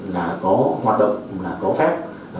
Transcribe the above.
là có hoạt động là có phép